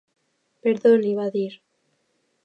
"Perdoni", va dir.